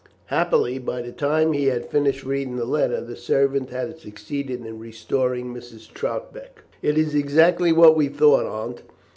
Happily, by the time he had finished reading the letter, the servant had succeeded in restoring Mrs. Troutbeck. "It is exactly what we thought, Aunt.